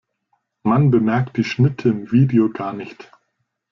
Man bemerkt die Schnitte im Video gar nicht.